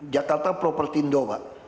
jakarta propertindo pak